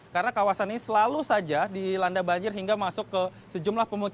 karena kawasan ini selalu saja dilanda banjir hingga masuk ke sejumlah pemilik